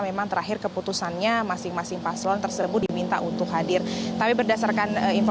memang terakhir keputusannya masing masing paslon tersebut diminta untuk hadir tapi berdasarkan